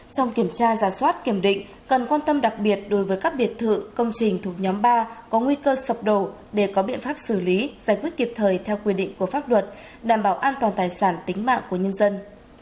trong kiểm tra giả soát kiểm định cần quan tâm đặc biệt đối với các biệt thự công trình thuộc nhóm ba có nguy cơ sập đổ để có biện pháp xử lý giải quyết kịp thời theo quy định của pháp luật đảm bảo an toàn tài sản tính mạng của nhân dân